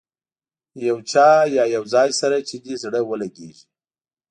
یو چا یا یو ځای سره چې دې زړه ولګېږي.